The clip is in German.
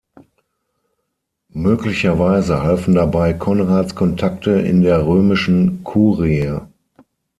Möglicherweise halfen dabei Konrads Kontakte in der römischen Kurie.